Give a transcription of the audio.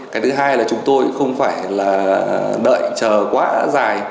cái thứ hai là chúng tôi không phải là đợi chờ quá dài